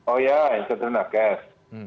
oh ya insentif nakes